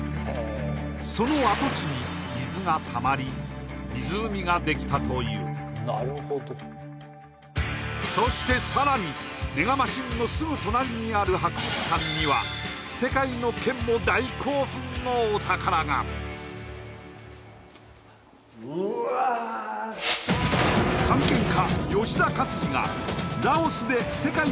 その跡地に水がたまり湖ができたというそしてさらにメガマシンのすぐ隣にある博物館には世界のケンも大興奮のお宝が探検家